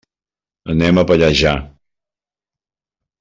Anem a Pallejà.